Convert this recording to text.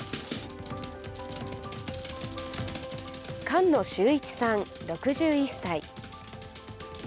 菅野修一さん、６１歳。